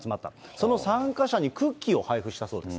その参加者にクッキーを配布したそうです。